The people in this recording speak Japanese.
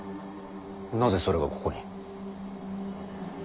なぜそれがここに。